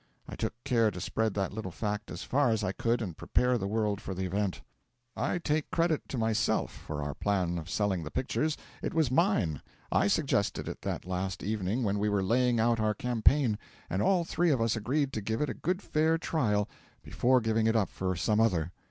'I took care to spread that little fact as far as I could, and prepare the world for the event. 'I take credit to myself for our plan of selling the pictures it was mine. I suggested it that last evening when we were laying out our campaign, and all three of us agreed to give it a good fair trial before giving it up for some other.